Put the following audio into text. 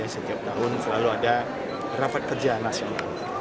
setiap tahun selalu ada rapat kerja nasional